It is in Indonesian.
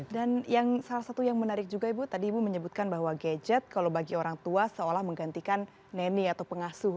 dan salah satu yang menarik juga ibu tadi ibu menyebutkan bahwa gadget kalau bagi orang tua seolah menggantikan neni atau pengasuh